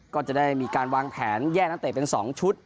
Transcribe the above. ก็จะได้มีการวางแผนแยกนักเตะเป็น๒ชุด